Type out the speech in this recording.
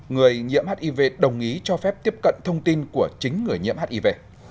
người nhiễm hiv đồng ý cho phép tiếp cận thông tin của chính người nhiễm hiv